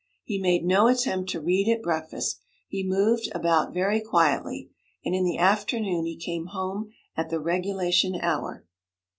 He made no attempt to read at breakfast; he moved about very quietly. And in the afternoon he came home at the regulation hour.